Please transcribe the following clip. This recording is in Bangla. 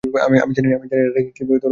আমি জানি না এটা, কীভাবে পরিণত হয়েছে।